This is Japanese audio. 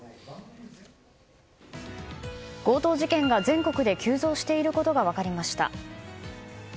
強盗事件が全国で急増していることが分かりました。